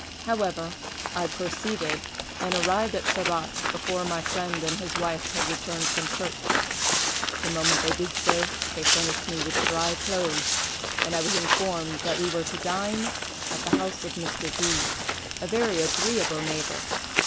However, I proceeded, and arrived at Sarratt before my friend and his wife had returned from church. The moment they did so, they furnished me with dry clothes, and I was informed that we were to dine at the house of Mr. D——, a very agreeable neighbor.